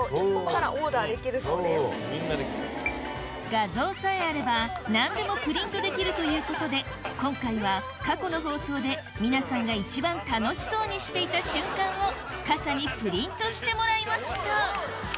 画像さえあれば何でもプリントできるということで今回は過去の放送で皆さんが一番楽しそうにしていた瞬間を傘にプリントしてもらいました